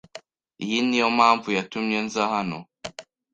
Iyi niyo mpamvu yatumye nza hano.